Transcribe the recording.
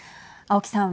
青木さん。